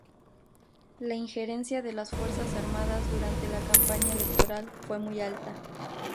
La injerencia de las Fuerzas Armadas durante la campaña electoral fue muy alta.